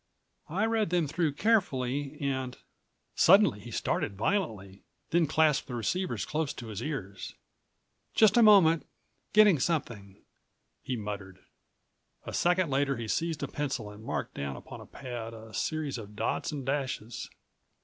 I read them through carefully and—" Suddenly he started violently, then clasped the receivers close to his ears. "Just a moment. Getting something," he muttered. A second later he seized a pencil and marked down upon a pad a series of dots and dashes.